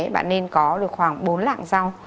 bạn nên có được khoảng bốn lạng rau